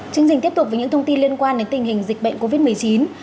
chương trình tiếp tục với những thông tin liên quan đến tình hình dịch bệnh covid một mươi chín